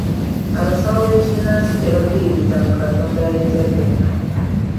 Abasawo b'ekinnansi tebakkiririza mu Katonda Ayinza byonna.